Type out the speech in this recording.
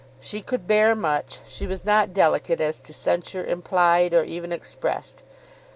She could bear much. She was not delicate as to censure implied, or even expressed.